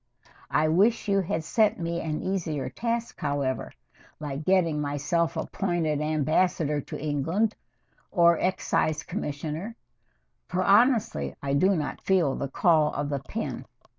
I wish you had set me an easier task, however, like getting myself appointed Ambassador to England, or Excise Commissioner, for honestly I do not feel the call of the pen.